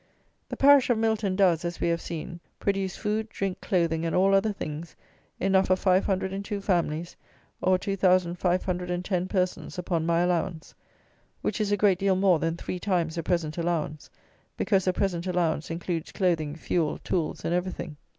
The parish of Milton does, as we have seen, produce food, drink, clothing, and all other things, enough for 502 families, or 2510 persons upon my allowance, which is a great deal more than three times the present allowance, because the present allowance includes clothing, fuel, tools, and everything.